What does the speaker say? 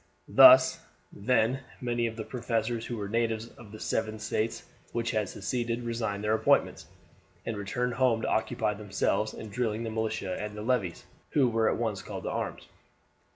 Thus, then, many of the professors who were natives of the seven States which had seceded resigned their appointments, and returned home to occupy themselves in drilling the militia and the levies, who were at once called to arms.